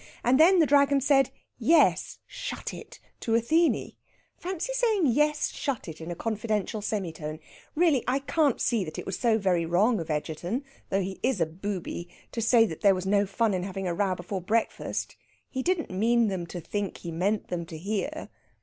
And then the Dragon said, 'Yes, shut it,' to Athene. Fancy saying 'Yes, shut it,' in a confidential semitone! Really, I can't see that it was so very wrong of Egerton, although he is a booby, to say there was no fun in having a row before breakfast. He didn't mean them to think he meant them to hear."